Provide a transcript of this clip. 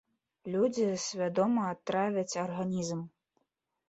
Людзі свядома травяць арганізм!